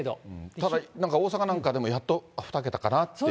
ただなんか大阪なんかでもやっと２桁かなっていう。